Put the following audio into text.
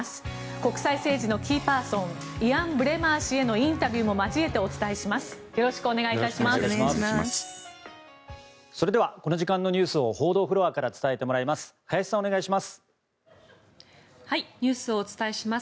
国際政治のキーパーソンイアン・ブレマー氏へのインタビューも交えてお伝えします。